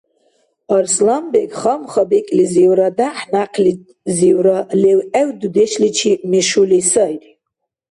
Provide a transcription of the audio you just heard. Арсланбег хамха-бекӀлизивра дяхӀ-някълизивра левгӀев дудешличи мешули сайри